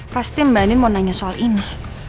pasti mbak nin mau nanya soal ini